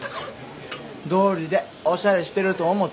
どうりでおしゃれしてると思った。